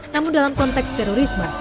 namun dalam konteks terorisme